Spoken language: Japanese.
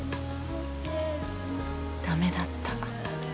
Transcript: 「駄目だった。